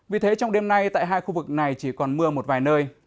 vì thế trong đêm nay tại hai khu vực này chỉ còn mưa một vài nơi